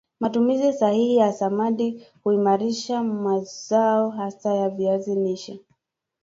matumizi sahihi ya samadi huimarisha mazao hasa ya viazi lishe